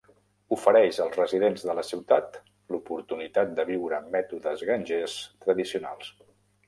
Ofereix als residents de la ciutat l'oportunitat de viure mètodes grangers tradicionals.